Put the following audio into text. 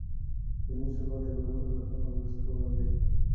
ټولنیز ثبات د ګډو ارزښتونو پر بنسټ ولاړ دی.